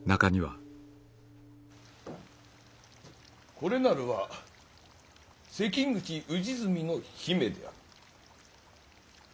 これなるは関口氏純の姫である。